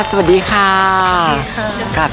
สวัสดีค่ะ